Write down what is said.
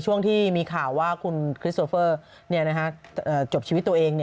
ช่วงที่มีข่าวว่าคุณคริสโอเฟอร์จบชีวิตตัวเอง